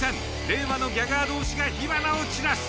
令和のギャガー同士が火花を散らす。